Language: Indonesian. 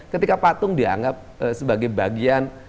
ketika patung dianggap sebagai bagian